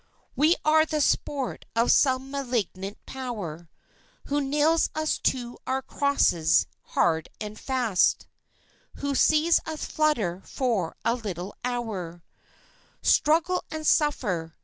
We are the sport of some malignant Power Who nails us to our crosses, hard and fast, Who sees us flutter for a little hour, Struggle and suffer